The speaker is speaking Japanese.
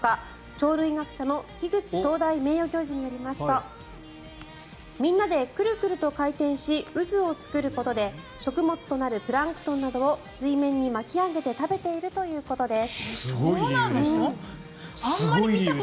鳥類学者の樋口東大名誉教授によりますとみんなでくるくると回転し渦を作ることで食物となるプランクトンなどを水面に巻き上げて食べているということです。